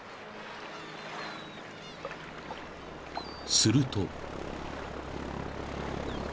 ［すると］